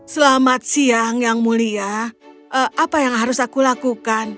selamat siang yang mulia apa yang harus aku lakukan